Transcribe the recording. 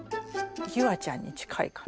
夕空ちゃんに近いかな。